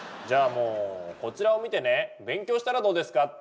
じゃあもうこちらを見てね勉強したらどうですか。